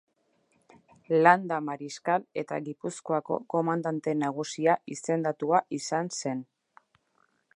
Landa-mariskal eta Gipuzkoako Komandante Nagusia izendatua izan zen.